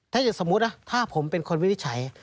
ถ้าอย่างสมมุตินะถ้าผมเป็นคนวินิจฉัย